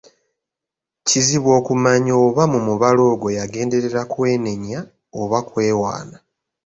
Kizibu okumanya oba mu mubala ogwo yagenderera kwenenya oba kwewaana.